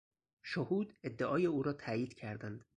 شهود ادعای او را تایید کردند.